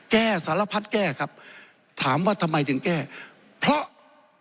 แก้สารพัดแก้ครับถามว่าทำไมถึงแก้เพราะ